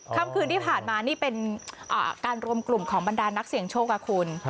คำคืนที่ผ่านมานี่เป็นการรวมกลุ่มของบรรดานักเสี่ยงโชคค่ะคุณ